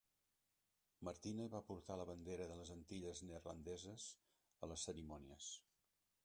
Martina va portar la bandera de les Antilles Neerlandeses a les cerimònies.